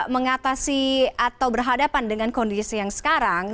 mengatasi atau berhadapan dengan kondisi yang sekarang